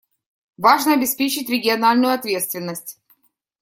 Важно обеспечить региональную ответственность.